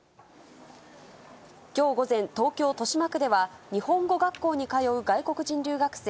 きょう午前、東京・豊島区では、日本語学校に通う外国人留学生